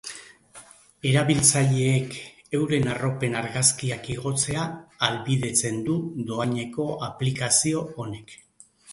Erabiltzaileek euren arropen argazkiak igotzea ahalbidetzen du dohaineko aplikazio honek.